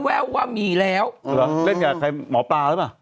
แววว่ามีแล้วเล่นอย่างใครหมอปลาหรือเปล่า